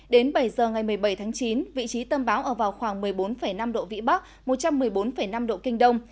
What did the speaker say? đến bảy giờ ngày một mươi bảy tháng chín vị trí tâm bão ở vào khoảng một mươi bốn năm độ vĩ bắc một trăm một mươi bốn năm độ kinh đông